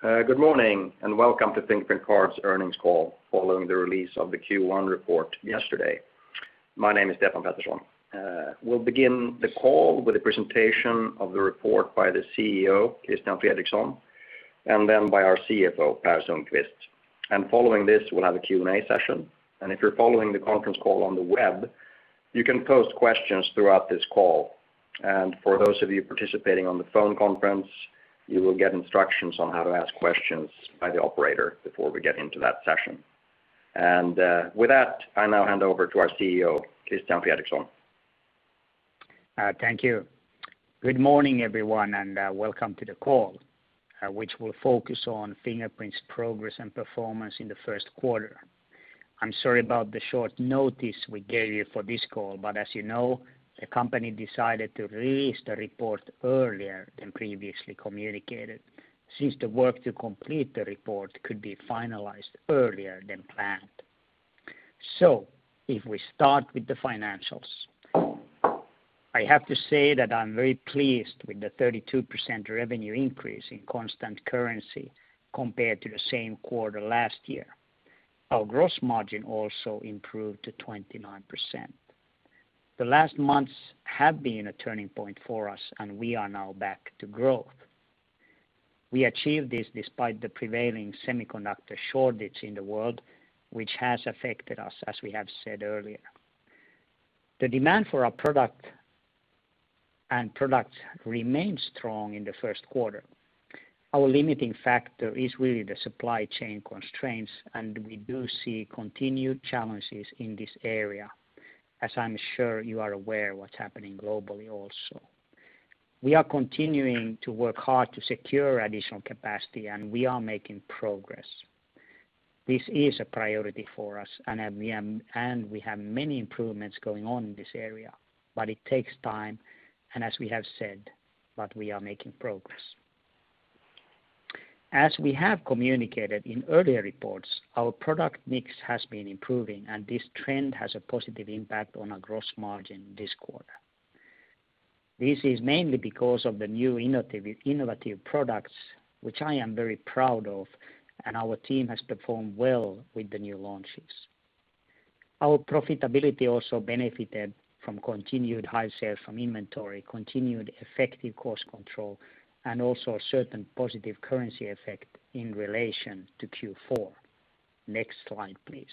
Good morning, welcome to Fingerprint Cards earnings call following the release of the Q1 report yesterday. My name is Stefan Pettersson. We'll begin the call with a presentation of the report by the CEO, Christian Fredrikson, and then by our CFO, Per Sundqvist. Following this, we'll have a Q&A session. If you're following the conference call on the web, you can post questions throughout this call. For those of you participating on the phone conference, you will get instructions on how to ask questions by the operator before we get into that session. With that, I now hand over to our CEO, Christian Fredrikson. Thank you. Good morning, everyone, and welcome to the call, which will focus on Fingerprint's progress and performance in the first quarter. I am sorry about the short notice we gave you for this call, as you know, the company decided to release the report earlier than previously communicated, since the work to complete the report could be finalized earlier than planned. If we start with the financials, I have to say that I am very pleased with the 32% revenue increase in constant currency compared to the same quarter last year. Our gross margin also improved to 29%. The last months have been a turning point for us, we are now back to growth. We achieved this despite the prevailing semiconductor shortage in the world, which has affected us, as we have said earlier. The demand for our product and products remained strong in the first quarter. Our limiting factor is really the supply chain constraints, and we do see continued challenges in this area, as I'm sure you are aware of what's happening globally also. We are continuing to work hard to secure additional capacity, and we are making progress. This is a priority for us, and we have many improvements going on in this area, but it takes time, and as we have said, but we are making progress. As we have communicated in earlier reports, our product mix has been improving, and this trend has a positive impact on our gross margin this quarter. This is mainly because of the new innovative products, which I am very proud of, and our team has performed well with the new launches. Our profitability also benefited from continued high sales from inventory, continued effective cost control, and also a certain positive currency effect in relation to Q4. Next slide, please.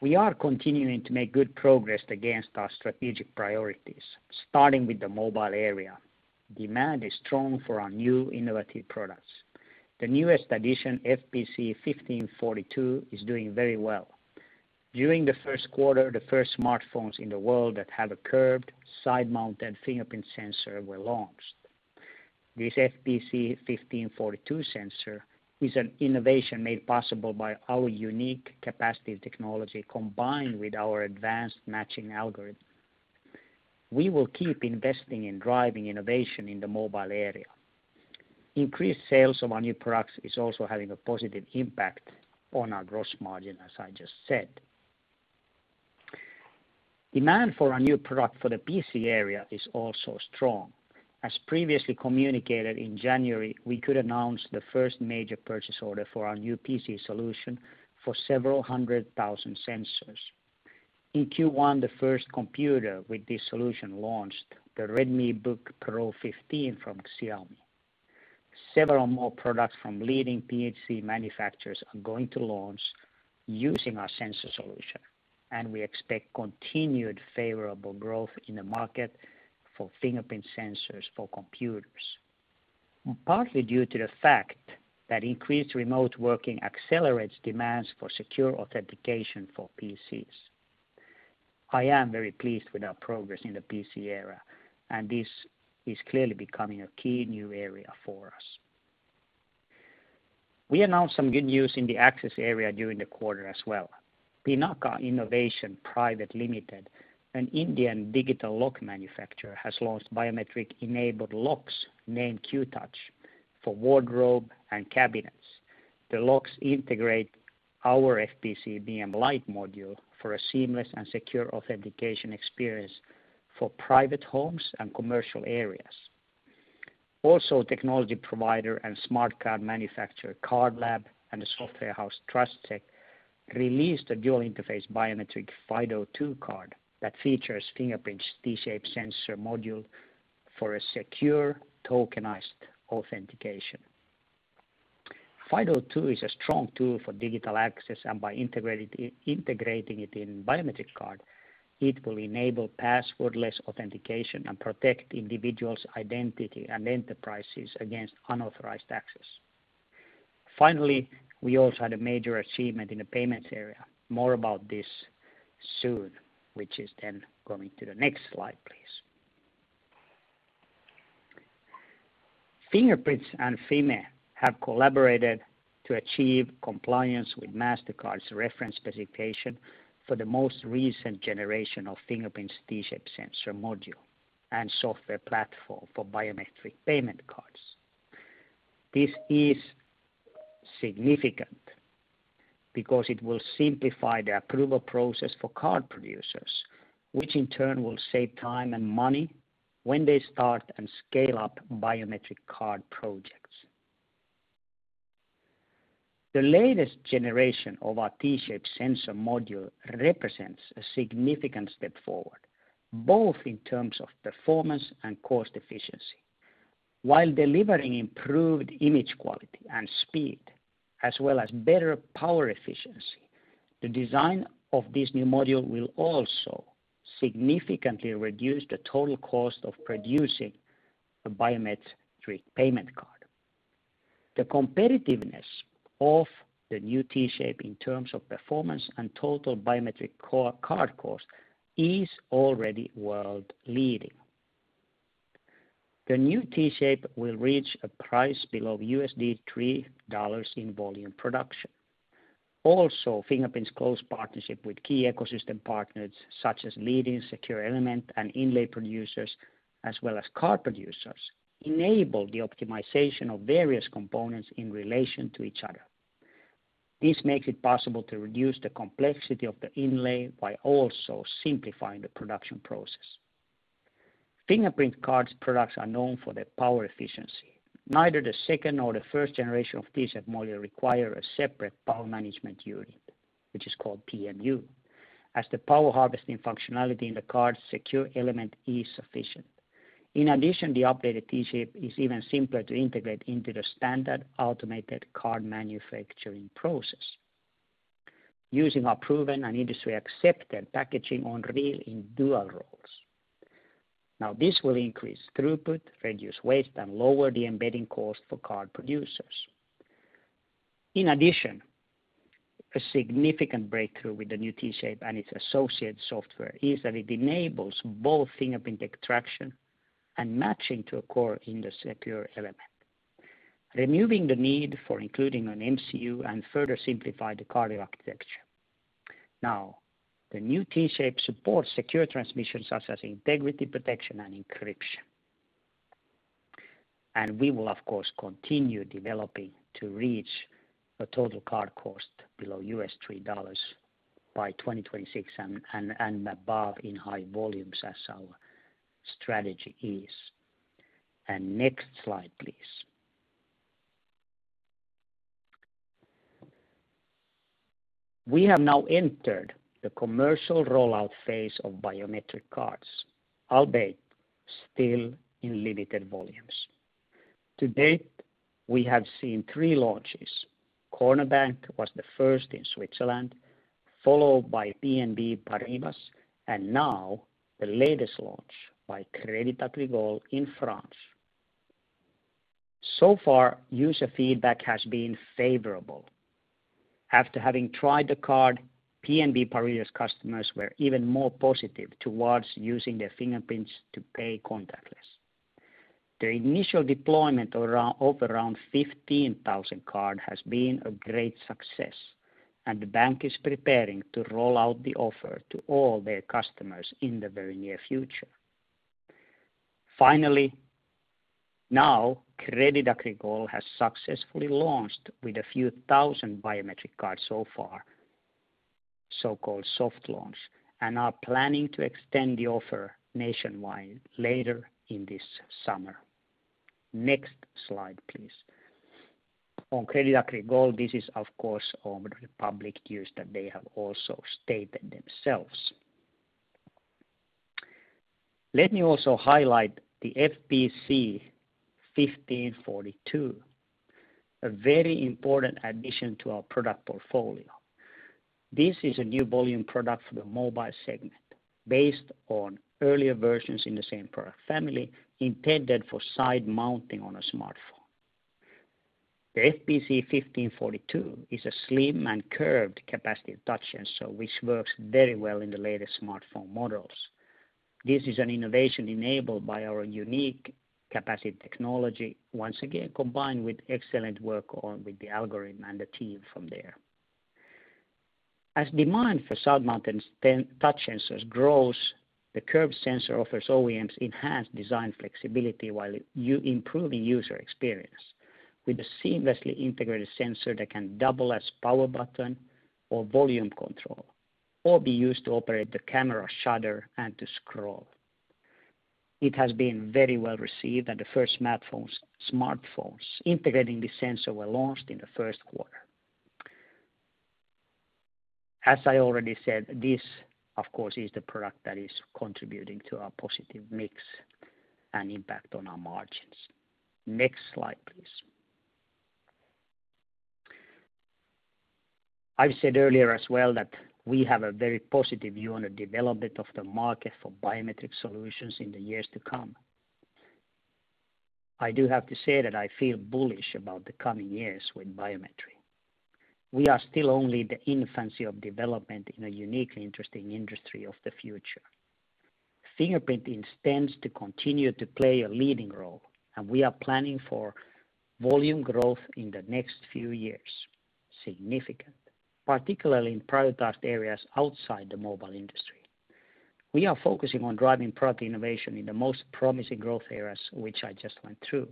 We are continuing to make good progress against our strategic priorities, starting with the mobile area. Demand is strong for our new innovative products. The newest addition, FPC1542, is doing very well. During the first quarter, the first smartphones in the world that have a curved side-mounted fingerprint sensor were launched. This FPC1542 sensor is an innovation made possible by our unique capacitive technology combined with our advanced matching algorithm. We will keep investing in driving innovation in the mobile area. Increased sales of our new products is also having a positive impact on our gross margin, as I just said. Demand for our new product for the PC area is also strong. As previously communicated in January, we could announce the first major purchase order for our new PC solution for several hundred thousand sensors. In Q1, the first computer with this solution launched, the RedmiBook Pro 15 from Xiaomi. Several more products from leading PC manufacturers are going to launch using our sensor solution, and we expect continued favorable growth in the market for fingerprint sensors for computers, partly due to the fact that increased remote working accelerates demands for secure authentication for PCs. I am very pleased with our progress in the PC area, and this is clearly becoming a key new area for us. We announced some good news in the access area during the quarter as well. Pinaka Innovation Private Limited, an Indian digital lock manufacturer, has launched biometric-enabled locks named QTouch for wardrobe and cabinets. The locks integrate our FPC BM-Lite module for a seamless and secure authentication experience for private homes and commercial areas. Technology provider and smart card manufacturer CardLab and the software house TrustSEC released a dual-interface biometric FIDO2 card that features Fingerprint's T-Shape sensor module for a secure tokenized authentication. FIDO2 is a strong tool for digital access, and by integrating it in biometric card, it will enable passwordless authentication and protect individuals' identity and enterprises against unauthorized access. Finally, we also had a major achievement in the payments area. More about this soon, which is then going to the next slide, please. Fingerprint and Fime have collaborated to achieve compliance with Mastercard's reference specification for the most recent generation of Fingerprint's T-Shape sensor module and software platform for biometric payment cards. This is significant because it will simplify the approval process for card producers, which in turn will save time and money when they start and scale up biometric card projects. The latest generation of our T-Shape sensor module represents a significant step forward, both in terms of performance and cost efficiency. While delivering improved image quality and speed, as well as better power efficiency, the design of this new module will also significantly reduce the total cost of producing a biometric payment card. The competitiveness of the new T-Shape in terms of performance and total biometric card cost is already world leading. The new T-Shape will reach a price below USD $3 in volume production. Fingerprint's close partnership with key ecosystem partners such as leading secure element and inlay producers, as well as card producers, enable the optimization of various components in relation to each other. This makes it possible to reduce the complexity of the inlay by also simplifying the production process. Fingerprint Cards' products are known for their power efficiency. Neither the second nor the first generation of T-Shape module require a separate power management unit, which is called PMU, as the power harvesting functionality in the card's secure element is sufficient. The updated T-Shape is even simpler to integrate into the standard automated card manufacturing process using a proven and industry-accepted packaging on reel in dual rolls. This will increase throughput, reduce waste, and lower the embedding cost for card producers. A significant breakthrough with the new T-Shape and its associated software is that it enables both fingerprint extraction and matching to occur in the secure element, removing the need for including an MCU and further simplify the card architecture. The new T-Shape supports secure transmissions such as integrity protection and encryption. We will, of course, continue developing to reach a total card cost below $3 by 2026 and above in high volumes as our strategy is. Next slide, please. We have now entered the commercial rollout phase of biometric cards, albeit still in limited volumes. To date, we have seen three launches. Cornèr Bank was the first in Switzerland, followed by BNP Paribas. Now the latest launch by Crédit Agricole in France. Far, user feedback has been favorable. After having tried the card, BNP Paribas customers were even more positive towards using their fingerprints to pay contactless. The initial deployment of around 15,000 card has been a great success. The bank is preparing to roll out the offer to all their customers in the very near future. Finally, Crédit Agricole has successfully launched with a few thousand biometric cards so far, so-called soft launch, and are planning to extend the offer nationwide later in this summer. Next slide, please. On Crédit Agricole, this is, of course, all the public news that they have also stated themselves. Let me also highlight the FPC1542, a very important addition to our product portfolio. This is a new volume product for the mobile segment based on earlier versions in the same product family intended for side mounting on a smartphone. The FPC1542 is a slim and curved capacitive touch sensor which works very well in the latest smartphone models. This is an innovation enabled by our unique capacitive technology, once again combined with excellent work on with the algorithm and the team from there. As demand for side-mounted touch sensors grows, the curved sensor offers OEMs enhanced design flexibility while improving user experience with a seamlessly integrated sensor that can double as power button or volume control, or be used to operate the camera shutter and to scroll. It has been very well-received, and the first smartphones integrating the sensor were launched in the first quarter. As I already said, this, of course, is the product that is contributing to our positive mix and impact on our margins. Next slide, please. I've said earlier as well that we have a very positive view on the development of the market for biometric solutions in the years to come. I do have to say that I feel bullish about the coming years with biometry. We are still only the infancy of development in a uniquely interesting industry of the future. Fingerprint intends to continue to play a leading role, and we are planning for volume growth in the next few years. Significant, particularly in prioritized areas outside the mobile industry, we are focusing on driving product innovation in the most promising growth areas, which I just went through.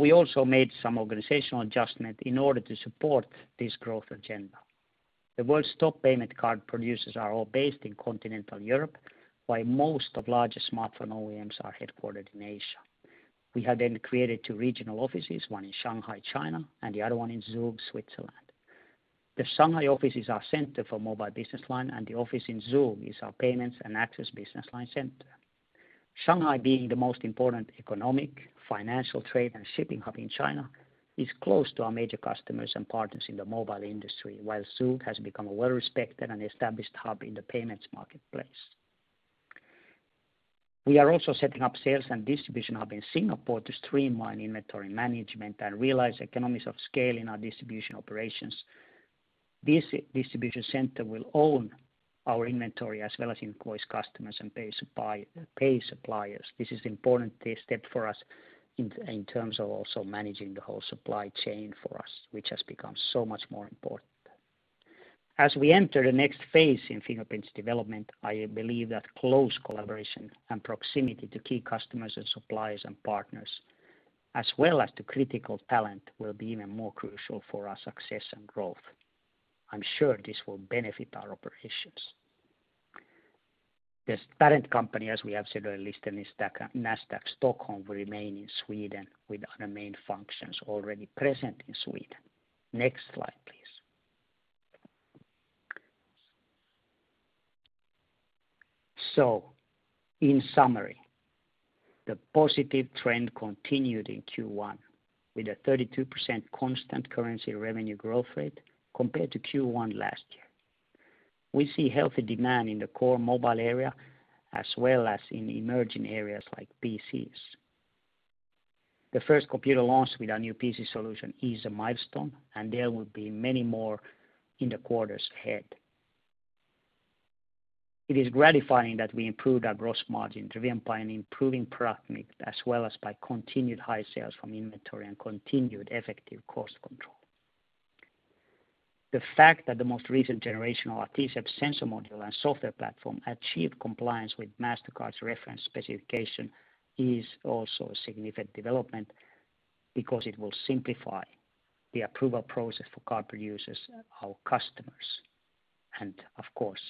We also made some organizational adjustment in order to support this growth agenda. The world's top payment card producers are all based in continental Europe, while most of largest smartphone OEMs are headquartered in Asia. We have created two regional offices, one in Shanghai, China, and the other one in Zug, Switzerland. The Shanghai office is our center for mobile business line, and the office in Zug is our payments and access business line center. Shanghai, being the most important economic, financial trade, and shipping hub in China, is close to our major customers and partners in the mobile industry, while Zug has become a well-respected and established hub in the payments marketplace. We are also setting up sales and distribution hub in Singapore to streamline inventory management and realize economies of scale in our distribution operations. This distribution center will own our inventory as well as invoice customers and pay suppliers. This is important step for us in terms of also managing the whole supply chain for us, which has become so much more important. As we enter the next phase in Fingerprint's development, I believe that close collaboration and proximity to key customers and suppliers and partners, as well as to critical talent, will be even more crucial for our success and growth. I'm sure this will benefit our operations. The parent company, as we have said, are listed in Nasdaq Stockholm, will remain in Sweden, with other main functions already present in Sweden. Next slide, please. In summary, the positive trend continued in Q1 with a 32% constant currency revenue growth rate compared to Q1 last year. We see healthy demand in the core mobile area as well as in emerging areas like PCs. The first computer launch with our new PC solution is a milestone, and there will be many more in the quarters ahead. It is gratifying that we improved our gross margin driven by an improving product mix as well as by continued high sales from inventory and continued effective cost control. The fact that the most recent generation of our T-Shape sensor module and software platform achieved compliance with Mastercard's reference specification is also a significant development because it will simplify the approval process for card producers, our customers. Of course,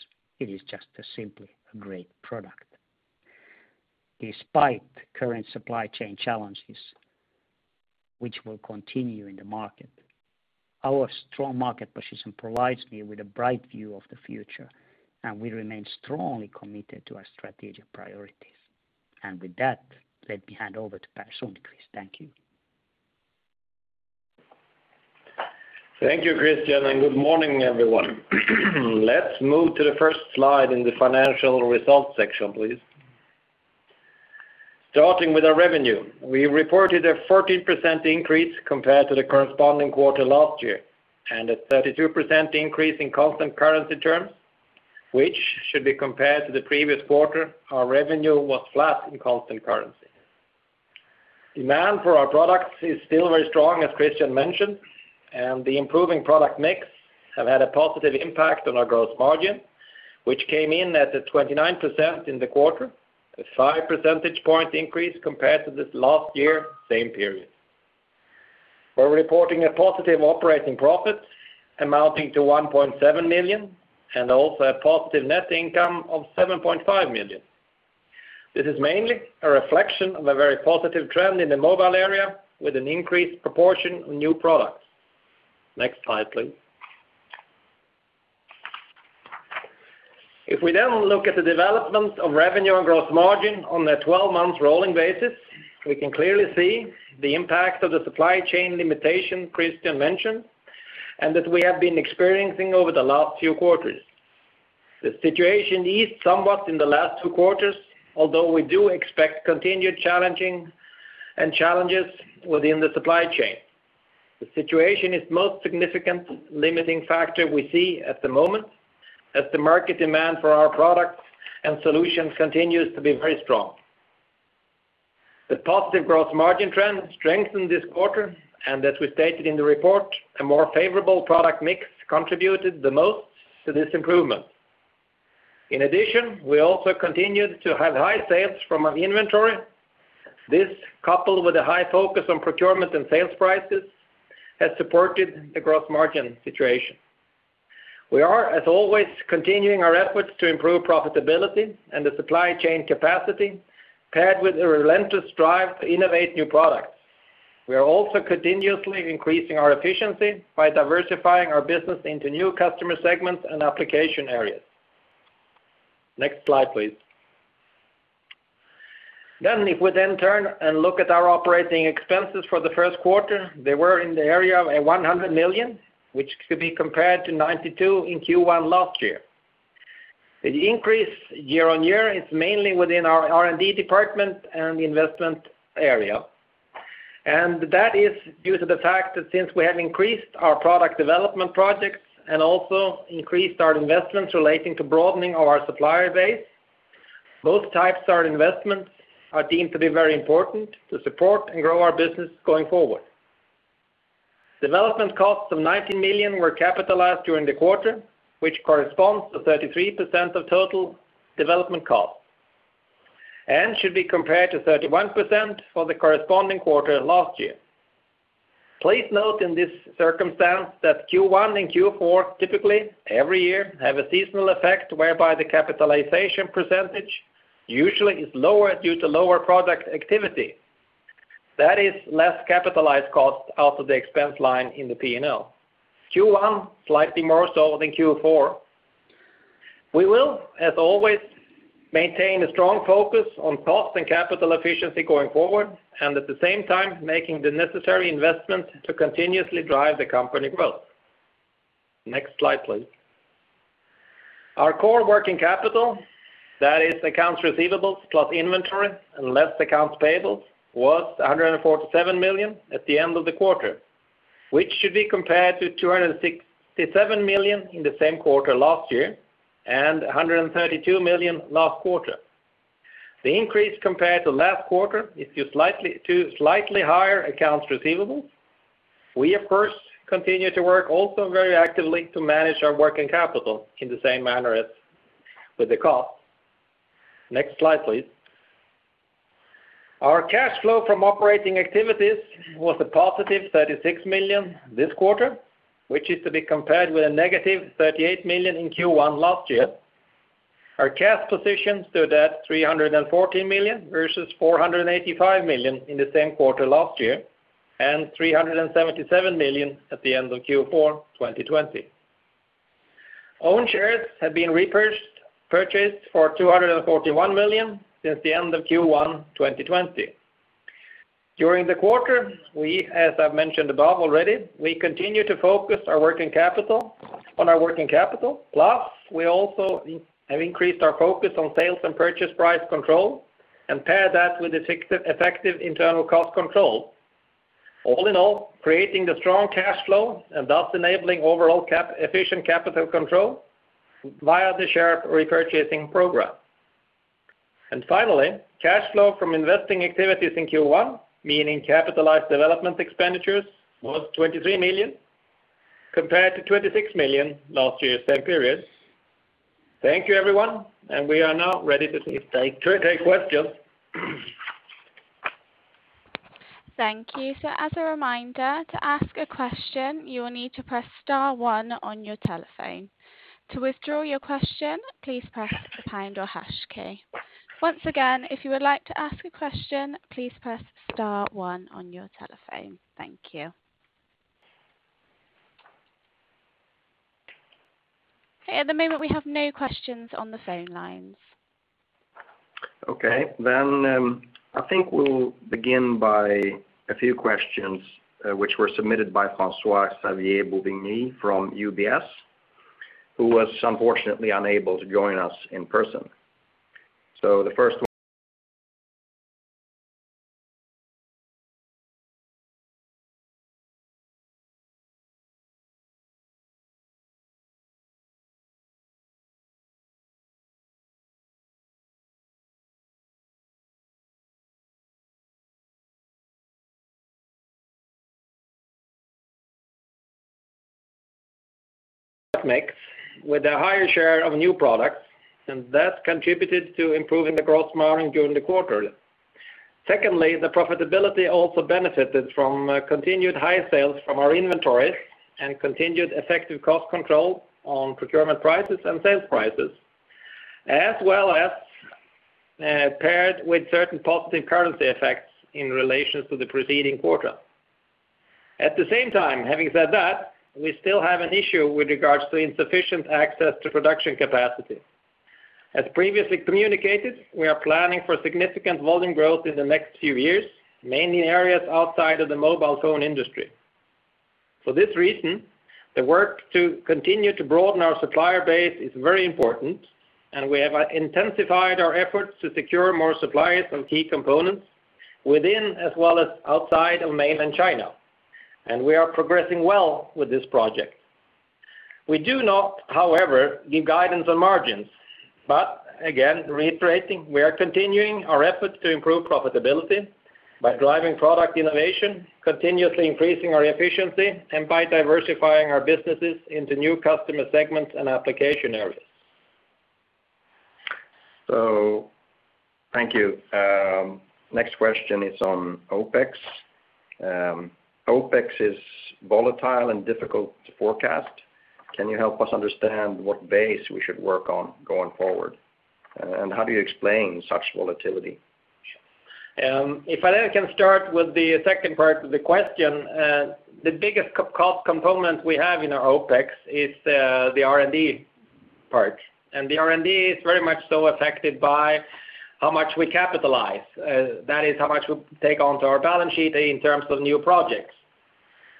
it is just simply a great product. Despite current supply chain challenges, which will continue in the market, our strong market position provides me with a bright view of the future, and we remain strongly committed to our strategic priorities. With that, let me hand over to Per Sundqvist. Thank you. Thank you, Christian, and good morning, everyone. Let's move to the first slide in the financial results section, please. Starting with our revenue, we reported a 14% increase compared to the corresponding quarter last year and a 32% increase in constant currency terms, which should be compared to the previous quarter, our revenue was flat in constant currency. Demand for our products is still very strong, as Christian mentioned, and the improving product mix have had a positive impact on our gross margin, which came in at the 29% in the quarter, a five percentage point increase compared to this last year same period. We're reporting a positive operating profit amounting to 1.7 million and also a positive net income of 7.5 million. This is mainly a reflection of a very positive trend in the mobile area with an increased proportion of new products. Next slide, please. If we look at the development of revenue and gross margin on a 12-month rolling basis, we can clearly see the impact of the supply chain limitation Christian mentioned and that we have been experiencing over the last few quarters. The situation eased somewhat in the last two quarters, although we do expect continued challenging and challenges within the supply chain. The situation is most significant limiting factor we see at the moment as the market demand for our products and solutions continues to be very strong. The positive gross margin trend strengthened this quarter, and as we stated in the report, a more favorable product mix contributed the most to this improvement. In addition, we also continued to have high sales from our inventory. This, coupled with a high focus on procurement and sales prices, has supported the gross margin situation. We are, as always, continuing our efforts to improve profitability and the supply chain capacity paired with a relentless drive to innovate new products. We are also continuously increasing our efficiency by diversifying our business into new customer segments and application areas. Next slide, please. If we then turn and look at our operating expenses for the first quarter, they were in the area of 100 million, which could be compared to 92 in Q1 last year. The increase year-over-year is mainly within our R&D department and the investment area. That is due to the fact that since we have increased our product development projects and also increased our investments relating to broadening our supplier base, both types of our investments are deemed to be very important to support and grow our business going forward. Development costs of 19 million were capitalized during the quarter, which corresponds to 33% of total development costs and should be compared to 31% for the corresponding quarter last year. Please note in this circumstance that Q1 and Q4 typically every year have a seasonal effect whereby the capitalization percentage usually is lower due to lower product activity. That is less capitalized cost out of the expense line in the P&L. Q1 slightly more so than Q4. We will, as always, maintain a strong focus on cost and capital efficiency going forward, and at the same time making the necessary investment to continuously drive the company growth. Next slide, please. Our core working capital, that is accounts receivables plus inventory and less accounts payable, was 147 million at the end of the quarter, which should be compared to 267 million in the same quarter last year and 132 million last quarter. The increase compared to last quarter is due to slightly higher accounts receivable. We, of course, continue to work also very actively to manage our working capital in the same manner as with the cost. Next slide, please. Our cash flow from operating activities was a positive 36 million this quarter, which is to be compared with a negative 38 million in Q1 last year. Our cash position stood at 314 million versus 485 million in the same quarter last year, and 377 million at the end of Q4 2020. Own shares have been repurchased for 241 million since the end of Q1 2020. During the quarter, as I've mentioned above already, we continue to focus on our working capital. Plus, we also have increased our focus on sales and purchase price control and pair that with effective internal cost control. All in all, creating the strong cash flow and thus enabling overall efficient capital control via the share repurchasing program. Finally, cash flow from investing activities in Q1, meaning capitalized development expenditures, was 23 million compared to 26 million last year's same period. Thank you, everyone, and we are now ready to take questions. Thank you. As a reminder, to ask a question, you will need to press star one on your telephone. To withdraw your question, please press the pound or hash key. Once again, if you would like to ask a question, please press star one on your telephone. Thank you. At the moment, we have no questions on the phone lines. Okay. I think we'll begin by a few questions which were submitted by François-Xavier Bouvignies from UBS, who was unfortunately unable to join us in person. The first one. Mix with a higher share of new products, and that contributed to improving the gross margin during the quarter. Secondly, the profitability also benefited from continued high sales from our inventories and continued effective cost control on procurement prices and sales prices, as well as paired with certain positive currency effects in relations to the preceding quarter. At the same time, having said that, we still have an issue with regards to insufficient access to production capacity. As previously communicated, we are planning for significant volume growth in the next few years, mainly in areas outside of the mobile phone industry. For this reason, the work to continue to broaden our supplier base is very important. We have intensified our efforts to secure more suppliers on key components within as well as outside of mainland China. We are progressing well with this project. We do not, however, give guidance on margins. Again, reiterating, we are continuing our efforts to improve profitability by driving product innovation, continuously increasing our efficiency, and by diversifying our businesses into new customer segments and application areas. Thank you. Next question is on OPEX. OPEX is volatile and difficult to forecast. Can you help us understand what base we should work on going forward? How do you explain such volatility? If I can start with the second part of the question, the biggest cost component we have in our OPEX is the R&D part. The R&D is very much so affected by how much we capitalize. That is how much we take onto our balance sheet in terms of new projects.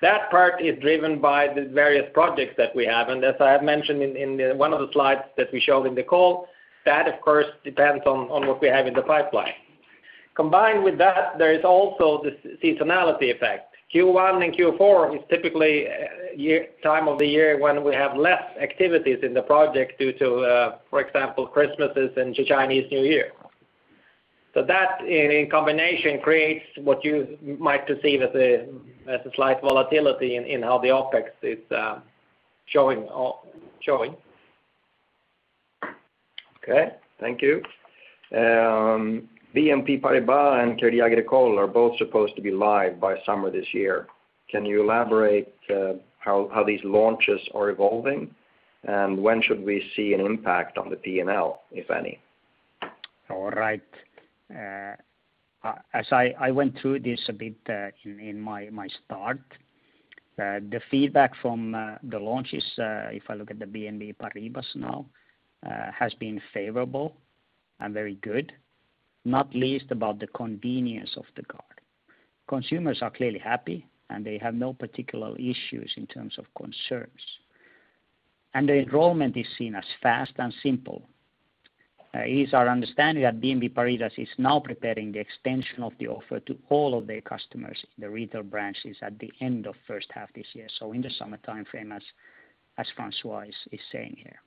That part is driven by the various projects that we have, and as I have mentioned in one of the slides that we showed in the call, that of course depends on what we have in the pipeline. Combined with that, there is also the seasonality effect. Q1 and Q4 is typically time of the year when we have less activities in the project due to, for example, Christmases and Chinese New Year. That in combination creates what you might perceive as a slight volatility in how the OPEX is showing. Okay, thank you. BNP Paribas and Crédit Agricole are both supposed to be live by summer this year. Can you elaborate how these launches are evolving? When should we see an impact on the P&L, if any? All right. As I went through this a bit in my start, the feedback from the launches, if I look at the BNP Paribas now, has been favorable and very good, not least about the convenience of the card. Consumers are clearly happy, and they have no particular issues in terms of concerns. The enrollment is seen as fast and simple. It is our understanding that BNP Paribas is now preparing the extension of the offer to all of their customers, the retail branches at the end of first half this year, so in the summertime frame as Francois is saying here.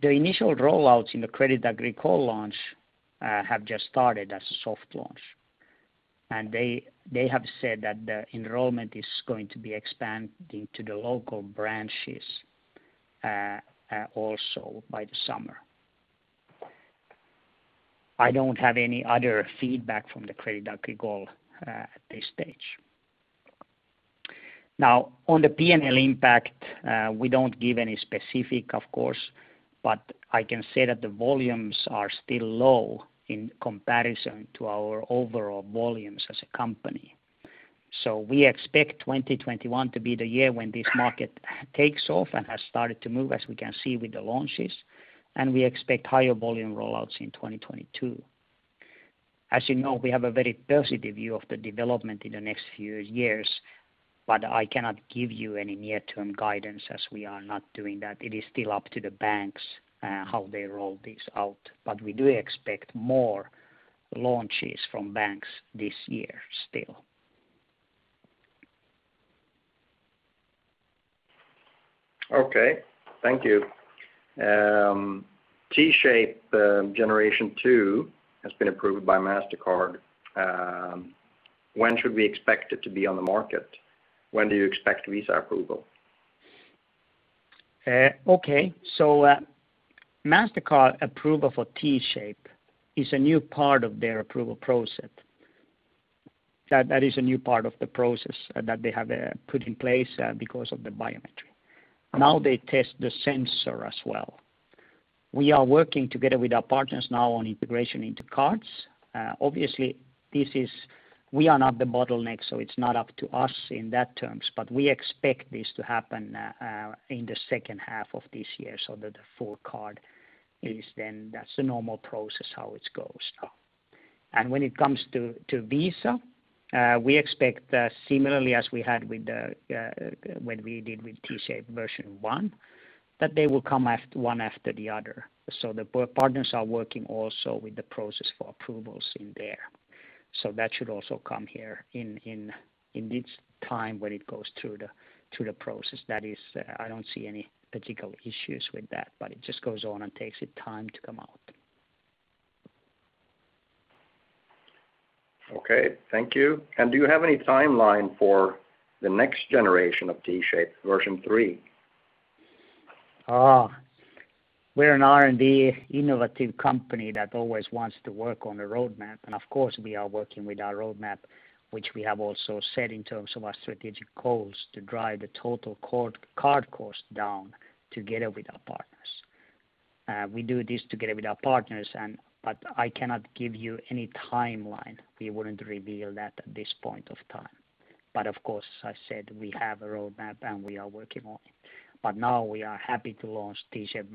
The initial rollouts in the Crédit Agricole launch have just started as a soft launch, and they have said that the enrollment is going to be expanding to the local branches, also by the summer. I don't have any other feedback from the Crédit Agricole at this stage. On the P&L impact, we don't give any specific, of course, but I can say that the volumes are still low in comparison to our overall volumes as a company. We expect 2021 to be the year when this market takes off and has started to move, as we can see with the launches, and we expect higher volume rollouts in 2022. As you know, we have a very positive view of the development in the next few years, but I cannot give you any near-term guidance as we are not doing that. It is still up to the banks how they roll this out. We do expect more launches from banks this year still. Okay, thank you. T-Shape generation two has been approved by Mastercard. When should we expect it to be on the market? When do you expect Visa approval? Mastercard approval for T-Shape is a new part of their approval process. That is a new part of the process that they have put in place because of the biometry. Now they test the sensor as well. We are working together with our partners now on integration into cards. Obviously, we are not the bottleneck, so it's not up to us in that terms, but we expect this to happen in the second half of this year so that the full card is then that's the normal process, how it goes. When it comes to Visa, we expect similarly as we had when we did with T-Shape version one, that they will come one after the other. The partners are working also with the process for approvals in there. That should also come here in its time when it goes through the process. That is, I don't see any particular issues with that, but it just goes on and takes its time to come out. Okay. Thank you. Do you have any timeline for the next generation of T-Shape, version three? We're an R&D innovative company that always wants to work on a roadmap. Of course, we are working with our roadmap, which we have also set in terms of our strategic goals to drive the total card cost down together with our partners. We do this together with our partners, but I cannot give you any timeline. We wouldn't reveal that at this point of time. Of course, as I said, we have a roadmap, and we are working on it. Now we are happy to launch T-Shape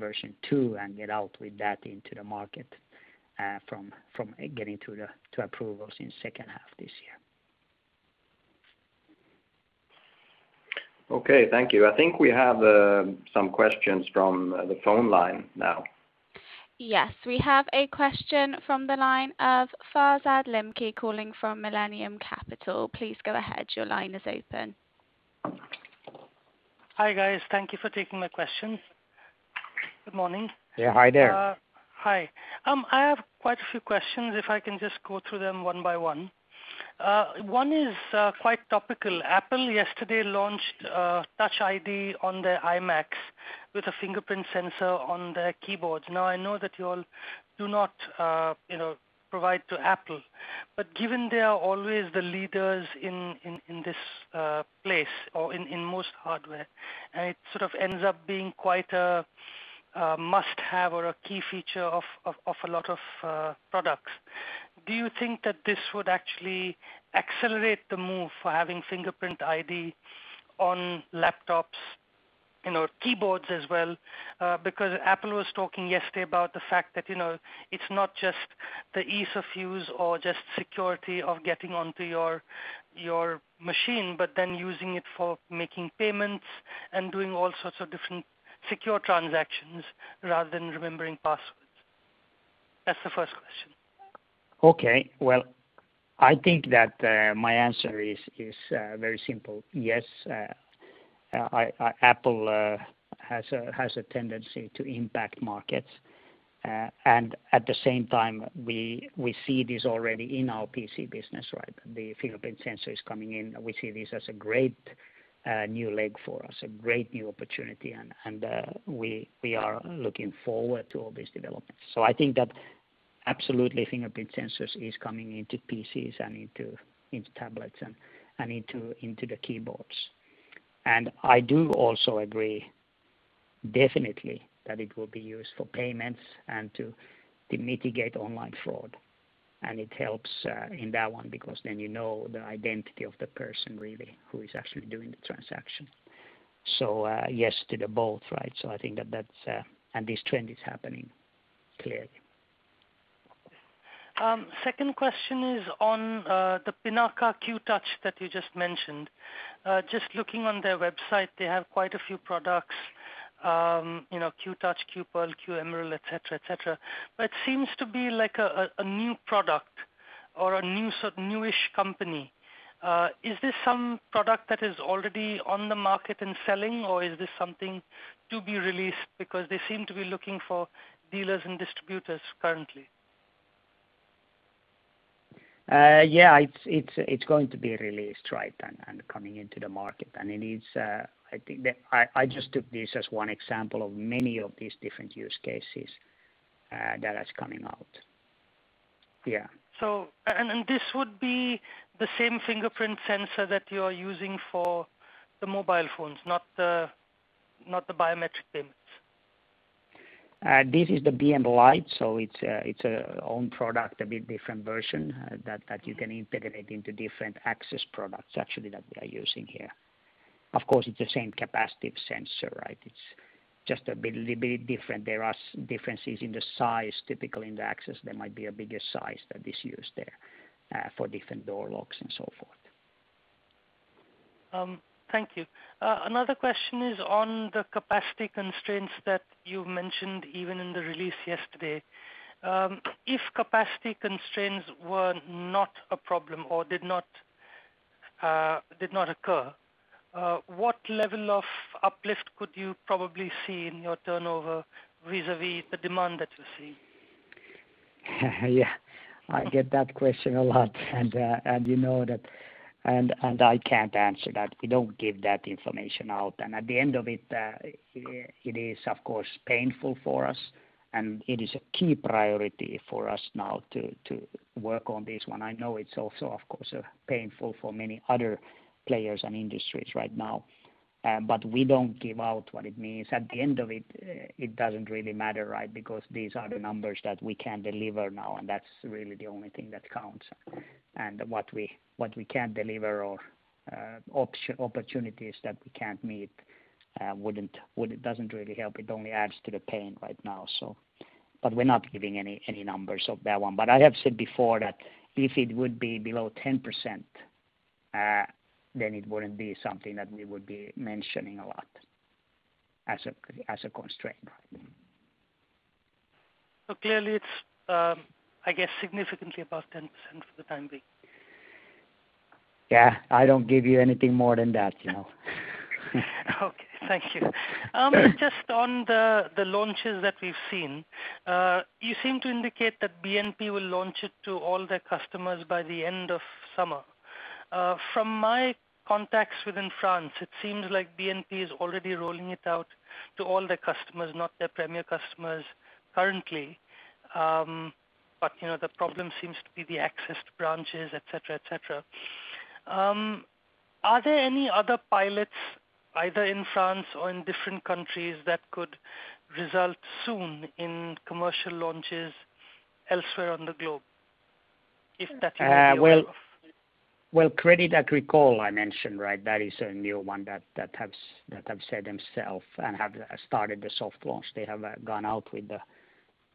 2 and get out with that into the market, from getting to approvals in second half this year. Okay, thank you. I think we have some questions from the phone line now. Yes, we have a question from the line of Farzad Limki calling from Millennium Capital. Please go ahead. Your line is open. Hi, guys. Thank you for taking my questions. Good morning. Yeah, hi there. Hi. I have quite a few questions, if I can just go through them one by one. One is quite topical. Apple yesterday launched Touch ID on their iMac with a fingerprint sensor on their keyboards. I know that you all do not provide to Apple, given they are always the leaders in this place or in most hardware, and it sort of ends up being quite a must-have or a key feature of a lot of products, do you think that this would actually accelerate the move for having fingerprint ID on laptops, keyboards as well? Apple was talking yesterday about the fact that it's not just the ease of use or just security of getting onto your machine, but then using it for making payments and doing all sorts of different secure transactions rather than remembering passwords. That's the first question. Okay. Well, I think that my answer is very simple. Yes, Apple has a tendency to impact markets. At the same time, we see this already in our PC business. The fingerprint sensor is coming in. We see this as a great new leg for us, a great new opportunity, and we are looking forward to all these developments. I think that absolutely, fingerprint sensors is coming into PCs and into tablets and into the keyboards. I do also agree definitely that it will be used for payments and to mitigate online fraud. It helps in that one, because then you know the identity of the person really who is actually doing the transaction. Yes to the both. I think, this trend is happening, clearly. Okay. Second question is on the Pinaka QTouch that you just mentioned. Just looking on their website, they have quite a few products, QTouch Pearl, QTouch Emerald, et cetera. It seems to be like a new product or a new-ish company. Is this some product that is already on the market and selling, or is this something to be released because they seem to be looking for dealers and distributors currently? It's going to be released, and coming into the market. I just took this as one example of many of these different use cases that is coming out. This would be the same fingerprint sensor that you are using for the mobile phones, not the biometric payments? This is the BM-Lite, so it's a own product, a bit different version that you can integrate into different access products actually, that we are using here. Of course, it's the same capacitive sensor. It's just a little bit different. There are differences in the size, typically in the access, there might be a bigger size that is used there, for different door locks and so forth. Thank you. Another question is on the capacity constraints that you mentioned even in the release yesterday. If capacity constraints were not a problem or did not occur, what level of uplift could you probably see in your turnover vis-a-vis the demand that you see? I get that question a lot, I can't answer that. We don't give that information out. At the end of it is, of course, painful for us, and it is a key priority for us now to work on this one. I know it's also, of course, painful for many other players and industries right now. We don't give out what it means. At the end of it doesn't really matter, because these are the numbers that we can deliver now, and that's really the only thing that counts. What we can't deliver or opportunities that we can't meet, it doesn't really help. It only adds to the pain right now, but we're not giving any numbers of that one. I have said before that if it would be below 10%, then it wouldn't be something that we would be mentioning a lot as a constraint. Clearly it's, I guess, significantly above 10% for the time being. Yeah. I don't give you anything more than that. Okay. Thank you. Just on the launches that we've seen, you seem to indicate that BNP will launch it to all their customers by the end of summer. From my contacts within France, it seems like BNP is already rolling it out to all their customers, not their premier customers currently. The problem seems to be the access to branches, et cetera. Are there any other pilots, either in France or in different countries that could result soon in commercial launches elsewhere on the globe? Well, Crédit Agricole, I mentioned, that is a new one that have said themselves and have started the soft launch. They have gone out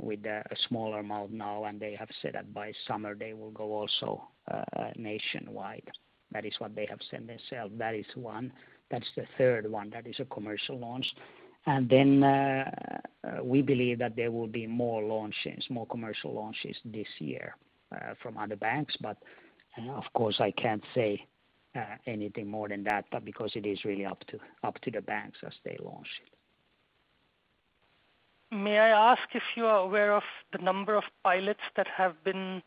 with a smaller amount now. They have said that by summer they will go also nationwide. That is what they have said themselves. That is one. That's the third one. That is a commercial launch. We believe that there will be more launches, more commercial launches this year, from other banks. Of course, I can't say anything more than that, but because it is really up to the banks as they launch it. May I ask if you are aware of the number of pilots that have been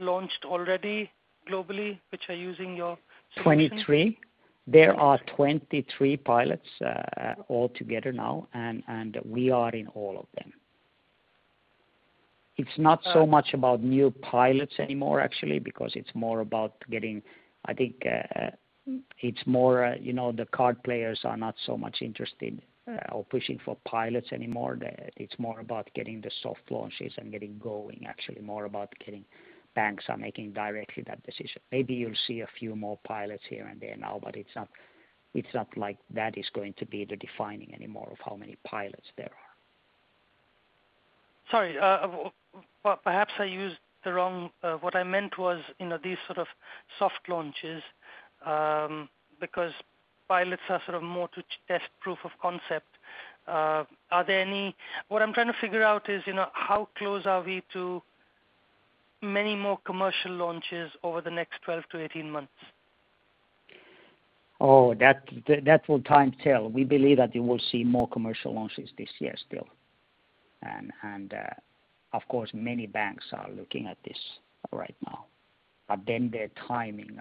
launched already globally, which are using your solution? There are 23 pilots altogether now, and we are in all of them. It's not so much about new pilots anymore, actually, because it's more about getting I think, the card players are not so much interested or pushing for pilots anymore. It's more about getting the soft launches and getting going, actually more about getting banks are making directly that decision. Maybe you'll see a few more pilots here and there now, but it's not like that is going to be the defining anymore of how many pilots there are. Sorry. What I meant was, these sort of soft launches. Pilots are more to test proof of concept. What I'm trying to figure out is, how close are we to many more commercial launches over the next 12 to 18 months? That will time tell. We believe that you will see more commercial launches this year still. Of course, many banks are looking at this right now. Their timing,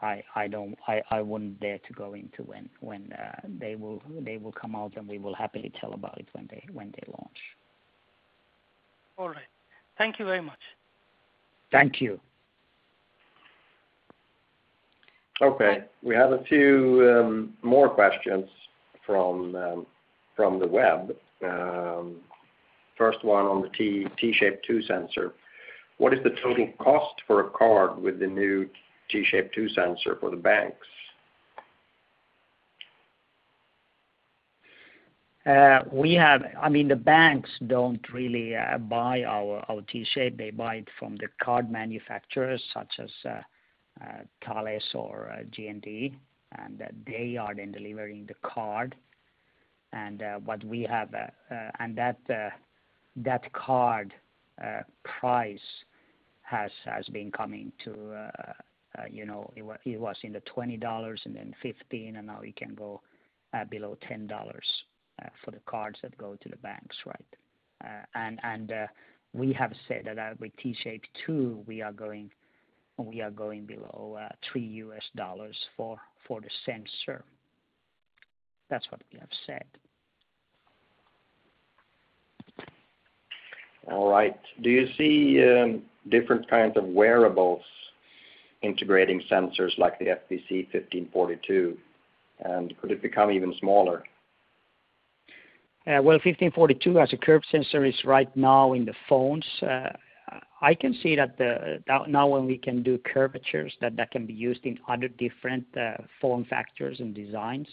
I wouldn't dare to go into when they will come out, and we will happily tell about it when they launch. All right. Thank you very much. Thank you. Okay. We have a few more questions from the web. First one on the T-Shape 2 sensor. What is the total cost for a card with the new T-Shape 2 sensor for the banks? The banks don't really buy our T-Shape. They buy it from the card manufacturers such as Thales or G+D, and they are then delivering the card. That card price has been. It was in the $20 and then $15, and now it can go below $10 for the cards that go to the banks. We have said that with T-Shape 2, we are going below $3 for the sensor. That's what we have said. All right. Do you see different kinds of wearables integrating sensors like the FPC1542, and could it become even smaller? Well, FPC1542 as a curved sensor is right now in the phones. I can see that now when we can do curvatures, that that can be used in other different form factors and designs.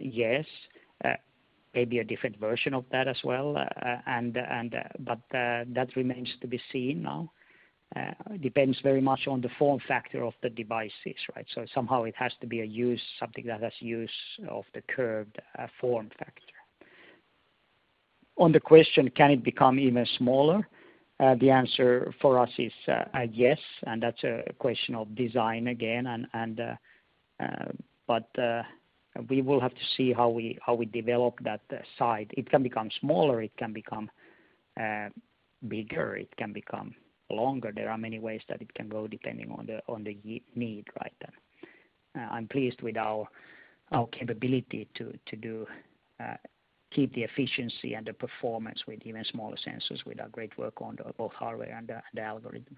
Yes. Maybe a different version of that as well, but that remains to be seen now. Depends very much on the form factor of the devices. Somehow it has to be something that has use of the curved form factor. On the question, can it become even smaller? The answer for us is yes, and that's a question of design again. We will have to see how we develop that side. It can become smaller, it can become bigger, it can become longer. There are many ways that it can go depending on the need. I'm pleased with our capability to keep the efficiency and the performance with even smaller sensors with our great work on both hardware and the algorithm.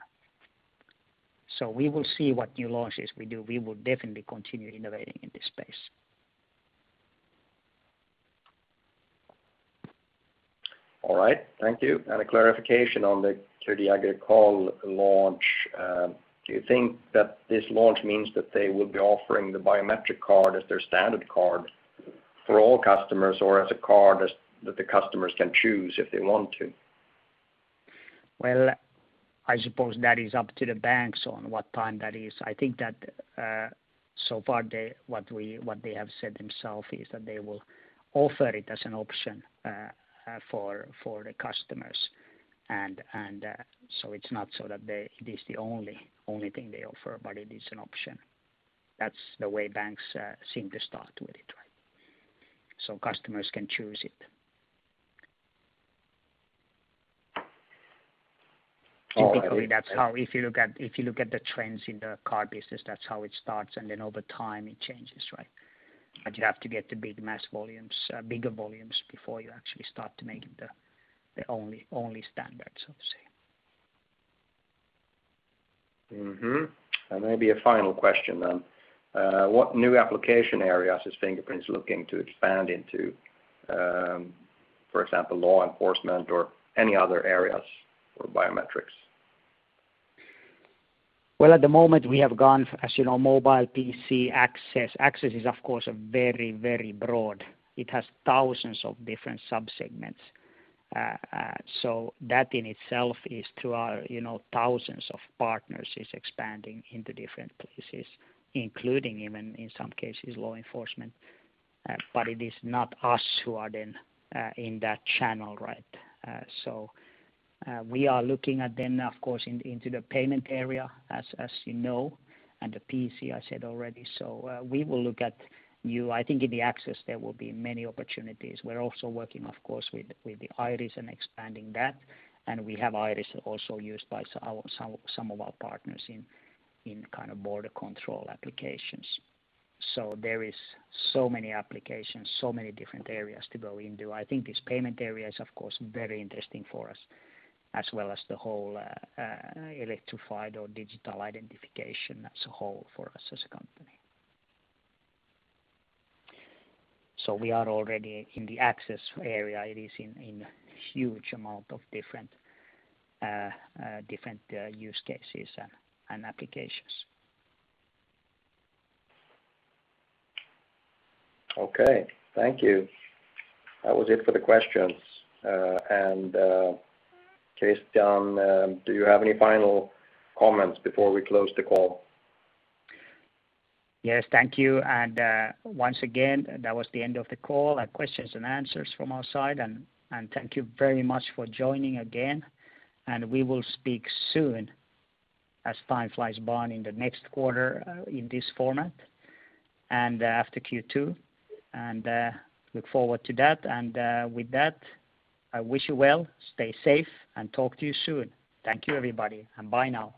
We will see what new launches we do. We will definitely continue innovating in this space. All right. Thank you. A clarification on the Crédit Agricole launch. Do you think that this launch means that they will be offering the biometric card as their standard card for all customers or as a card that the customers can choose if they want to? Well, I suppose that is up to the banks on what time that is. I think that, so far, what they have said themselves is that they will offer it as an option for the customers. It's not so that it is the only thing they offer, but it is an option. That's the way banks seem to start with it. Customers can choose it. Typically, if you look at the trends in the card business, that's how it starts, and then over time it changes. You have to get the big mass volumes, bigger volumes before you actually start making the only standards, I would say. Maybe a final question. What new application areas is Fingerprint looking to expand into? For example, law enforcement or any other areas for biometrics. At the moment, we have gone, as you know, mobile PC access. Access is, of course, very broad. It has thousands of different sub-segments. That in itself is through our thousands of partners, is expanding into different places, including even, in some cases, law enforcement. It is not us who are then in that channel. We are looking at then, of course, into the payment area, as you know, and the PC, I said already. We will look at. I think in the access, there will be many opportunities. We are also working, of course, with the iris and expanding that, and we have iris also used by some of our partners in border control applications. There is so many applications, so many different areas to go into. I think this payment area is, of course, very interesting for us, as well as the whole electrified or digital identification as a whole for us as a company. We are already in the access area. It is in a huge amount of different use cases and applications. Okay. Thank you. That was it for the questions. Christian, do you have any final comments before we close the call? Yes. Thank you. Once again, that was the end of the call and questions and answers from our side, and thank you very much for joining again, and we will speak soon as time flies by in the next quarter, in this format, and after Q2. Look forward to that. With that, I wish you well, stay safe, and talk to you soon. Thank you, everybody, and bye now.